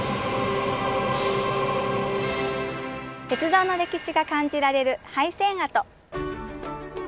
鉄道の歴史が感じられる廃線跡。